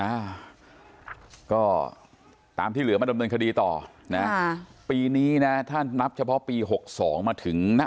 อ่าก็ตามที่เหลือมาดำเนินคดีต่อนะค่ะปีนี้นะถ้านับเฉพาะปีหกสองมาถึงนะ